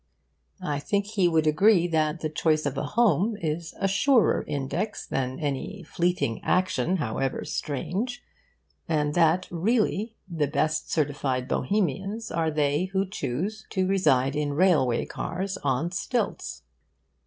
I think he would agree that the choice of a home is a surer index than any fleeting action, however strange, and that really the best certified Bohemians are they who choose to reside in railway cars on stilts.